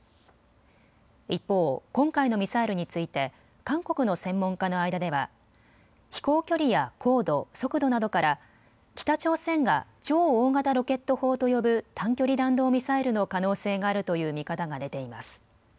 一方、今回のミサイルについて韓国の専門家の間では、飛行距離や高度、速度などから北朝鮮が超大型ロケット砲と呼ぶ短距離弾道ミサイルの可能性があるという見方が出ています。